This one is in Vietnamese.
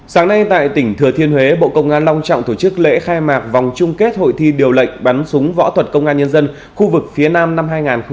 sáng nay tại tỉnh thừa thiên huế bộ công an long trọng tổ chức lễ khai mạc vòng chung kết hội thi điều lệnh bắn súng võ thuật công an nhân dân khu vực phía nam năm hai nghìn hai mươi ba